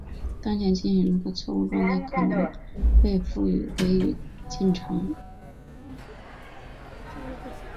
当前进程中的错误状态可能被复制给子进程。